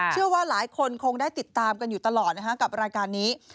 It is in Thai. เชื่อว่าหลายคนคงได้ติดตามกันอยู่ตลอดนะฮะกับรายการนี้